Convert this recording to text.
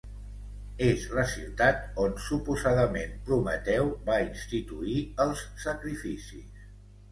És la ciutat on suposadament Prometeu va instituir els sacrificis.